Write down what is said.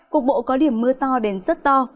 cục bộ có điểm mưa to đến rất to